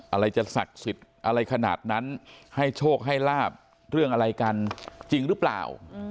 อะไรจะศักดิ์สิทธิ์อะไรขนาดนั้นให้โชคให้ลาบเรื่องอะไรกันจริงหรือเปล่า